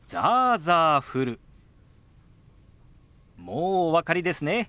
もうお分かりですね。